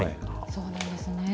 そうなんですね。